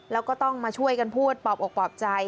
แล้วก็ต้องมาช่วยกันพูดปอบอกปลอบใจ